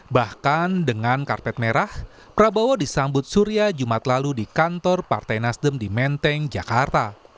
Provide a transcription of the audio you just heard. bahkan dengan karpet merah prabowo disambut surya jumat lalu di kantor partai nasdem di menteng jakarta